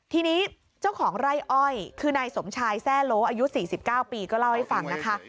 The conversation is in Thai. ทีนี้เจ้าของไร่อ้อยคือนายสมชายแทร่โลอายุ๔๙ปีก็เล่าให้ฟังนะคะ